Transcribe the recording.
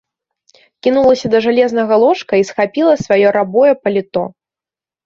Кінулася да жалезнага ложка і схапіла сваё рабое паліто.